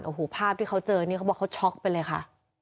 โอ้โหภาพที่เขาเจอนี่เขาบอกเขาช็อกไปเลยค่ะ